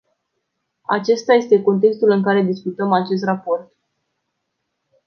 Acesta este contextul în care discutăm acest raport.